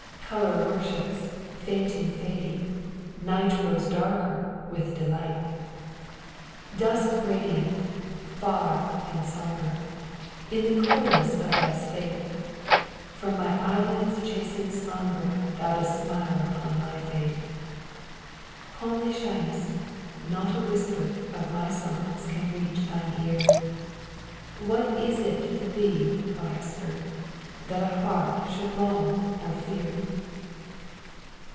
Color worships, fainting fady, Night grows darker with delight! "Dusky radiant, far, and somber, In the coolness of thy state, From my eyelids chasing slumber, Thou dost smile upon my fate; "Calmly shinest; not a whisper Of my songs can reach thine ear; What is it to thee, O Hesper, That a heart should long or fear?"